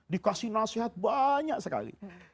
dikasih nasihat banyak sekali